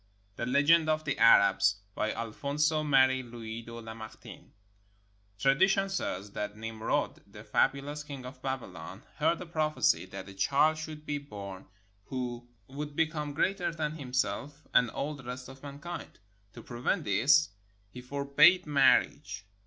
THE LEGEND OF THE ARABS BY ALPHONSE MARIE LOUIS DE LAMARTINE [Tradition says that Nimrod, the fabulous King of Babylon, heard a prophecy that a child should be born who would be come greater than himself and all the rest of mankind. To prevent this, he forbade marriage.